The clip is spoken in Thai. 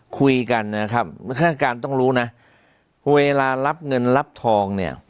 คุยกันนะครับฆาตการต้องรู้นะเวลารับเงินรับทองเนี่ย